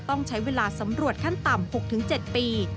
ต้องใช้เวลาสำรวจขั้นต่ำ๖๗ปี